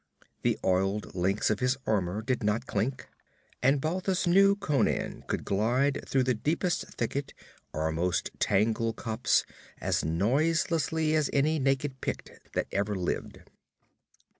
The oiled links of his armor did not clink, and Balthus knew Conan could glide through the deepest thicket or most tangled copse as noiselessly as any naked Pict that ever lived.